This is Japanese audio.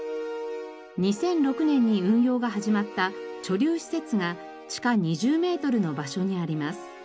２００６年に運用が始まった貯留施設が地下２０メートルの場所にあります。